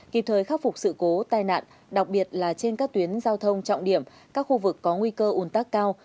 kịp thời khắc phục sự cố tai nạn đặc biệt là trên các tuyến giao thông trọng điểm các khu vực có nguy cơ ủn tắc cao